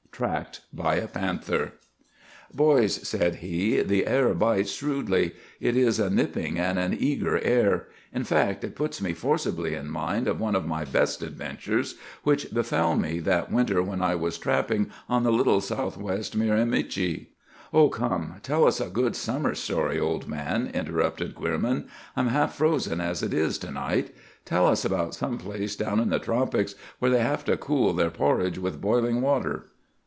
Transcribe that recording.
TRACKED BY A PANTHER. "Boys," said he, "the air bites shrewdly. It is a nipping and an eager air. In fact, it puts me forcibly in mind of one of my best adventures, which befell me that winter when I was trapping on the Little Sou'west Miramichi." "Oh, come! Tell us a good summer story, old man," interrupted Queerman. "I'm half frozen as it is, to night. Tell us about some place down in the tropics where they have to cool their porridge with boiling water."